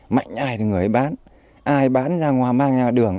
mạnh ai thì người ấy bán ai bán ra ngoài mang ra đường